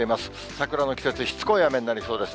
桜の季節、しつこい雨になりそうです。